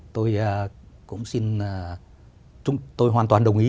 tôi cũng xin tôi hoàn toàn đồng ý